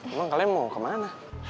emang kalian mau kemana